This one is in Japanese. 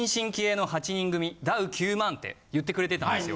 ダウ９００００って言ってくれてたんですよ。